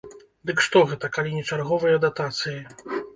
Дык што гэта, калі не чарговыя датацыі?